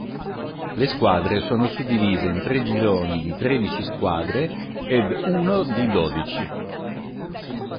Le squadre sono suddivise in tre gironi di tredici squadre ed uno di dodici.